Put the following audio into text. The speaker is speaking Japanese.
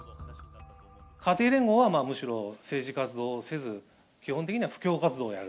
家庭連合はむしろ、政治活動をせず、基本的には布教活動をやる。